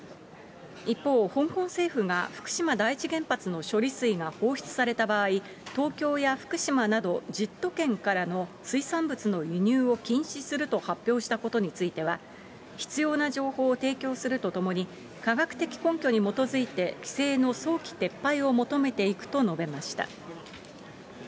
一方、香港政府が福島第一原発の処理水が放出された場合、東京や福島など１０都県からの水産物の輸入を禁止すると発表したことについては、必要な情報を提供するとともに、科学的根拠に基づいて規制の早期撤廃を求めていくと述べました。